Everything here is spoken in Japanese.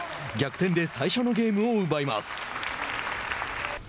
逆転で最初のゲームを奪います。